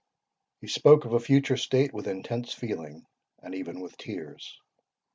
He spoke of a future state with intense feeling, and even with tears.